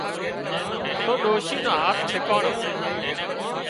تو ڏوشِي نو هاٿ ڇڪاڻو